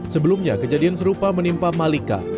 sebelumnya kejadian serupa menimpa malika